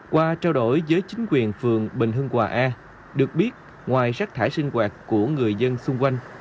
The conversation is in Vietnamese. qua trao đổi với chính quyền phường bình hưng hòa a được biết ngoài rác thải sinh hoạt của người dân xung quanh